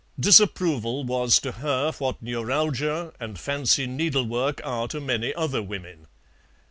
Disapproval was to her what neuralgia and fancy needlework are to many other women.